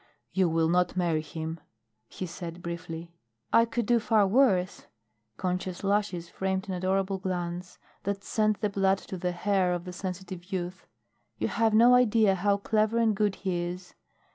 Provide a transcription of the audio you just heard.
"You will not marry him!" he said briefly. "I could do far worse." Concha's lashes framed an adorable glance that sent the blood to the hair of the sensitive youth. "You have no idea how clever and good he is.